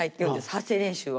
発声練習を。